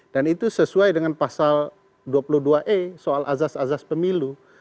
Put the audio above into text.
dan itu sesuai dengan pasal dua puluh dua e soal azas azas pemilu